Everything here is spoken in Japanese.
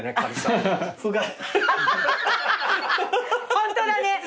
ホントだね。